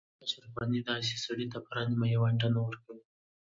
اشرف غني داسې سړي ته پوره نیمايي ونډه نه ورکوي.